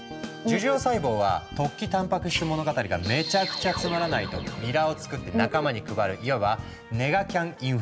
樹状細胞は「突起たんぱく質物語」がめちゃくちゃつまらないとビラをつくって仲間に配るいわばネガキャンインフルエンサーだ。